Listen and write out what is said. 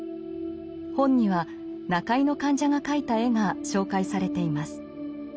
本には中井の患者が描いた絵が紹介されています。